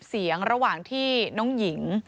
นายสุรพนธ์ดาราคำในอ๊อฟวัย๒๓ปี